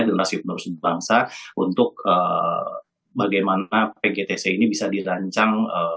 dan rasif rasif bangsa untuk bagaimana pgtc ini bisa dirancang